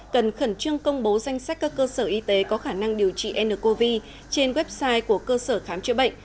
cần khẩn trương công bố danh sách các cơ sở y tế có khả năng điều trị ncov trên website của cơ sở khám chữa bệnh